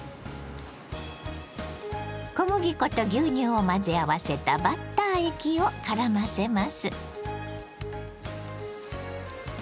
小麦粉と牛乳を混ぜ合わせたバッター液をからませます。